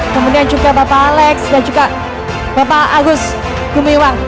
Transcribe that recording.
kemudian juga bapak alex dan juga bapak agus gumiwang